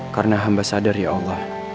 karena hamba sadar ya allah